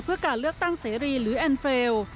เพื่อการเลือกตั้งเสรีหรือแอนดเรล